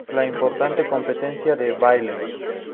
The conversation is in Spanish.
Una importante competencia de baile.